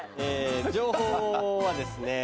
情報はですね。